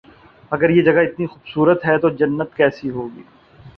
اگر یہ جگہ اتنی خوب صورت ہے تو جنت کیسی ہو گی